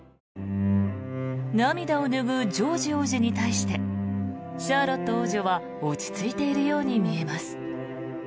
涙を拭うジョージ王子に対してシャーロット王女は落ち着いているように見えます。